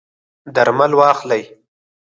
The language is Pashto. درمل واخلئ